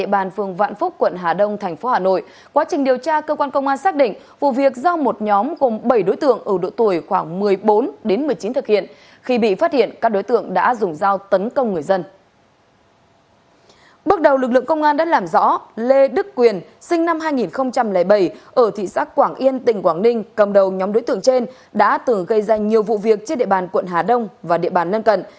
bước đầu lực lượng công an đã làm rõ lê đức quyền sinh năm hai nghìn bảy ở thị xác quảng yên tỉnh quảng ninh cầm đầu nhóm đối tượng trên đã từ gây ra nhiều vụ việc trên địa bàn quận hà đông và địa bàn lân cận